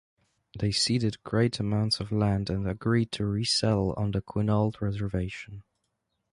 They ceded great amounts of land and agreed to resettle on the Quinault reservation.